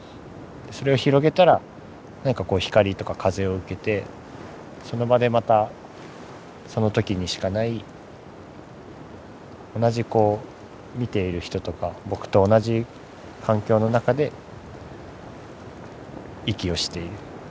それを広げたらなんかこう光とか風を受けてその場でまたその時にしかない同じこう見ている人とか僕と同じ環境の中で息をしている。